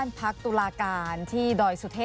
มีความรู้สึกว่า